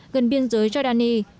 gần biên giới jordani